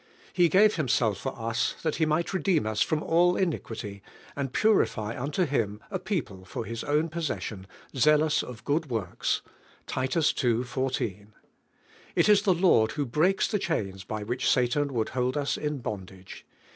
He "gave Himself for us that He might redeem us from all iniquity, and purify unto Him a people for His own possession, zealous of good works'' iTit ns ii. 1<(). It is the Lord who breaks the chains by which Satan would hold ns in bondage.